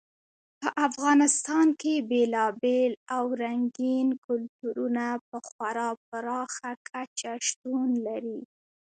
په افغانستان کې بېلابېل او رنګین کلتورونه په خورا پراخه کچه شتون لري.